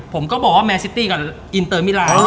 ผมก็บอกว่าแมนซิตี้กับอินเตอร์มิลา